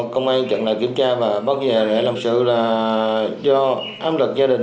công an chẳng lại kiểm tra và bắt nhà để làm sự là do ám lực gia đình